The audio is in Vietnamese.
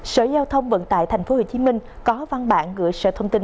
sở giao thông vận tải tp hcm có văn bản gửi sở thông tin